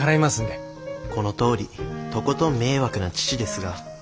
このとおりとことん迷惑な父ですが。